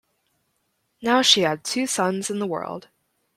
Now she had two sons in the world.